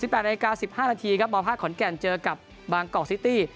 ๘นาฬิกา๑๕นาทีครับมภาคขอนแก่นเจอกับบางกอกซิตี้